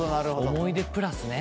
思い出プラスね。